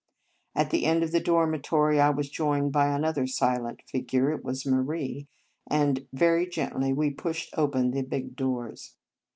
At the end of the dor mitory I was joined by another silent figure, it was Marie, and very gently we pushed open the big doors.